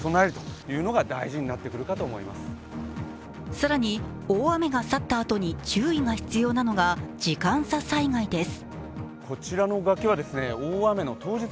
更に、大雨が去ったあとに注意が必要なのが時間差災害です。